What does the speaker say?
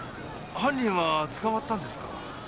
犯人は捕まったんですか？